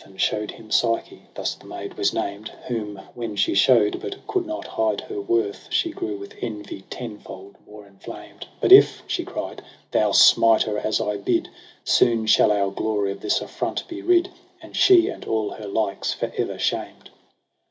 And show'd him psyche, thus the maid was named; Whom when she show'd, but could not hide her worth. She grew with envy tenfold more enflamed. ' But if,' she cried, ' thou smite her as I bid,. Soon shall our glory of this affront be rid. And she and all her likes for ever shamed.